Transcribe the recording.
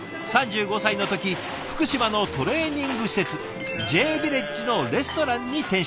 ３５歳の時福島のトレーニング施設Ｊヴィレッジのレストランに転職。